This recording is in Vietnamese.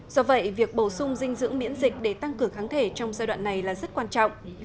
do vậy việc bổ sung dinh dưỡng miễn dịch để tăng cường kháng thể trong giai đoạn này là rất quan trọng